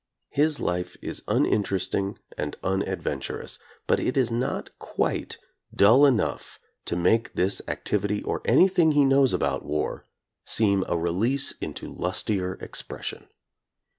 His life is uninteresting and unadventurous, but it is not quite dull enough to make this activity or anything he knows about war seem a release into lustier expression.